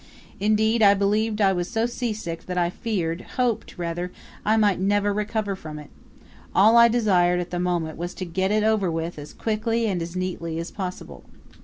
Indeed, I believed I was so seasick that I feared hoped, rather I might never recover from it. All I desired at the moment was to get it over with as quickly and as neatly as possible.